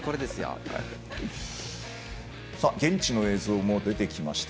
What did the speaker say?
現地の映像も出てきました。